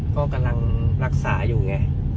ก็กำลังรักษาอยู่ไง